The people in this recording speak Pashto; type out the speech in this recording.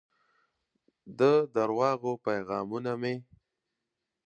د درواغو پیغامونه مې